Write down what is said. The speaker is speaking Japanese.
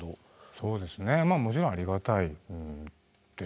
そうですねまあもちろんありがたいです。